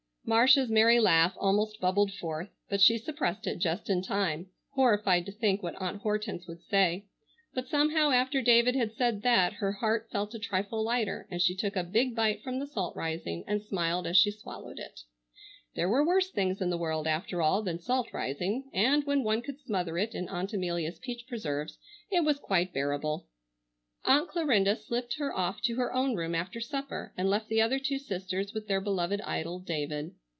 Marcia's merry laugh almost bubbled forth, but she suppressed it just in time, horrified to think what Aunt Hortense would say, but somehow after David had said that her heart felt a trifle lighter and she took a big bite from the salt rising and smiled as she swallowed it. There were worse things in the world, after all, than salt rising, and, when one could smother it in Aunt Amelia's peach preserves, it was quite bearable. Aunt Clarinda slipped her off to her own room after supper, and left the other two sisters with their beloved idol, David.